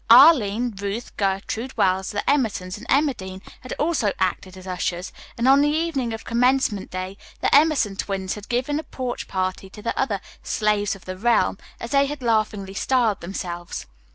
Arline, Ruth, Gertrude Wells, the Emersons and Emma Dean had also acted as ushers, and on the evening of commencement day the Emerson twins had given a porch party to the other "slaves of the realm," as they had laughingly styled themselves.